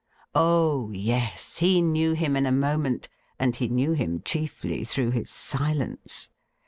Oh yes, he knew him in a moment, and he knew him chiefly through his silence.